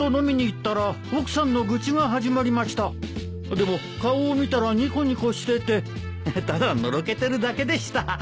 でも顔を見たらニコニコしててただのろけてるだけでした。